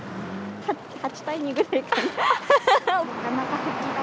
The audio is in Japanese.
８対２ぐらいかな。